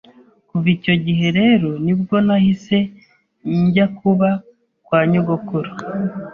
kuva icyo gihe rero nibwo nahise njya kuba kwa nyogokuru